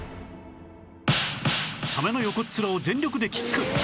サメの横っ面を全力でキック